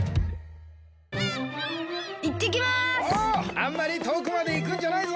あんまりとおくまでいくんじゃないぞ！